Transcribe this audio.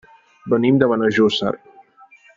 Venim de Benejússer.